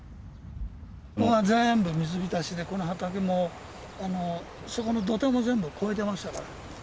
ここが全部水浸しで、この畑もそこの土手も全部越えてましたから。